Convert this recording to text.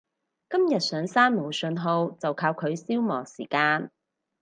今日上山冇訊號就靠佢消磨時間